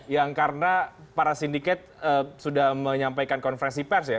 yang karena para sindikat sudah menyampaikan konferensi pers ya